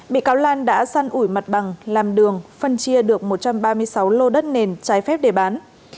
bị cáo lan đã săn ủi mặt bằng làm đường phân chia được một trăm ba mươi sáu lô đất nền trái phép để bán